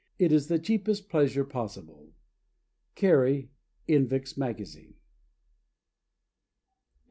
It is the cheapest pleasure possible." CARRIE, in Vick's Magazine. VERBENAS.